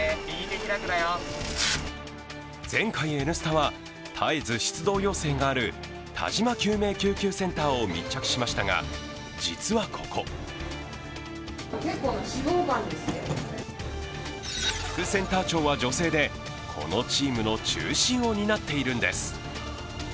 前回「Ｎスタ」は絶えず出動要請がある但馬救命救急センターを密着しましたが、実はここ副センター長は女性で、このチームの中心をになっているんです。